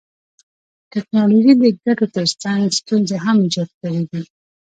ټکنالوژي د ګټو تر څنګ ستونزي هم ایجاد کړيدي.